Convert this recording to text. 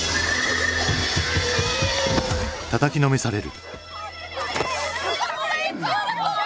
たたきのめされる。